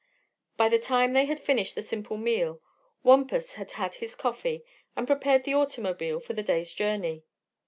By the time they had finished the simple meal Wampus had had his coffee and prepared the automobile for the day's journey.